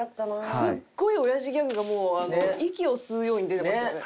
すごい親父ギャグがもう息をするように出てましたよね。